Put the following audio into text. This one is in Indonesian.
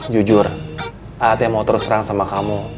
jujur a'a teh mau terus terang sama kamu